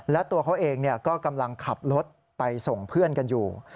และตัวเขาเองก็กำลังขับรถไปส่งเพื่อนกันอยู่